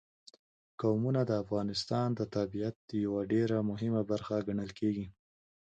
قومونه د افغانستان د طبیعت یوه ډېره مهمه برخه ګڼل کېږي.